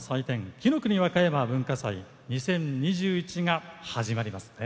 「紀の国わかやま文化祭２０２１」が始まりますね。